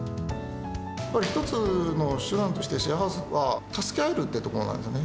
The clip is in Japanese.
一つの手段としてシェアハウスは助け合えるというところなんですね。